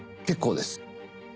結構です。